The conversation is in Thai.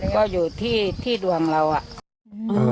ครับ